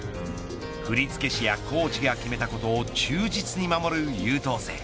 振付師やコーチが決めたことを忠実に守る優等生。